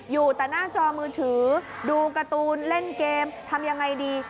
อยู่แต่หน้าจอมือถือดูการ์ตูนเล่นเกมทำยังไงดี